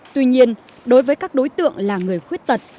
tuy nhiên đối với các đối tượng là người khuyết tật